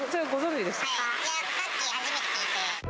さっき初めて聞いて。